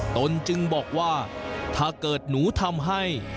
ตนจึงบอกว่าถ้าเกิดหนูทำให้